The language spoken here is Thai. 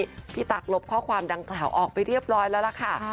วันนี้พี่ตั๊กลบข้อความดังกล่าวออกไปเรียบร้อยแล้วล่ะค่ะ